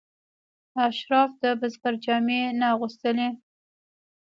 اشراف د بزګر جامې نه اغوستلې.